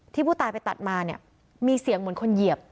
ผู้ตายไปตัดมาเนี่ยมีเสียงเหมือนคนเหยียบ